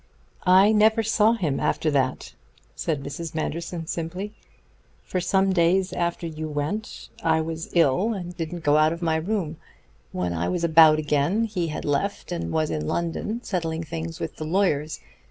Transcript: "I never saw him after that," said Mrs. Manderson simply. "For some days after you went away I was ill, and didn't go out of my room. When I was about again he had left and was in London, settling things with the lawyers.